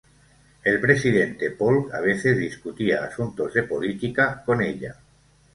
El presidente Polk a veces discutía asuntos de política con ella.